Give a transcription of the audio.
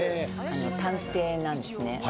探偵なんですね。